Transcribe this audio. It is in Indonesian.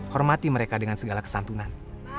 hormati mereka dengan segala kesantunan